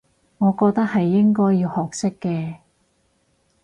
我覺得係應該要學識嘅